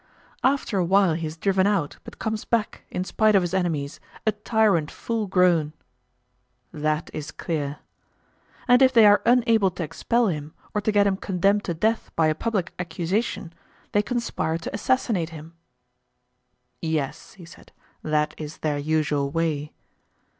After a while he is driven out, but comes back, in spite of his enemies, a tyrant full grown. That is clear. And if they are unable to expel him, or to get him condemned to death by a public accusation, they conspire to assassinate him. Yes, he said, that is their usual way.